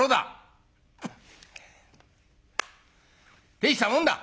「大したもんだ！」。